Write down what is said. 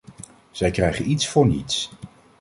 Zij krijgen iets voor niets.